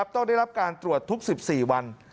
ต้องได้รับการตรวจทุก๑๔วัน